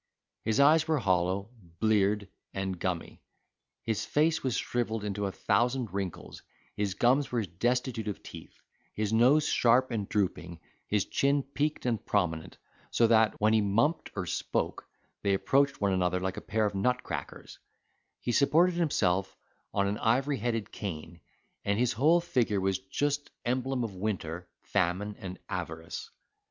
His eyes were hollow, bleared, and gummy; his face was shrivelled into a thousand wrinkles, his gums were destitute of teeth, his nose sharp and drooping, his chin peaked and prominent, so that, when he mumped or spoke, they approached one another like a pair of nutcrackers: he supported himself on an ivory headed cane and his whole figure was a just emblem of winter, famine, and avarice.